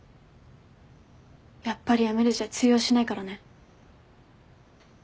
やっぱりやめるじゃ通用しないからね。